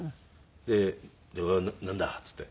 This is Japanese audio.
で「なんだ？」って言って。